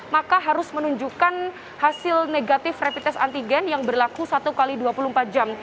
maka harus menunjukkan hasil negatif rapid test antigen yang berlaku satu x dua puluh empat jam